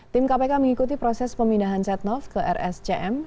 tim kpk mengikuti proses pemindahan setnov ke rscm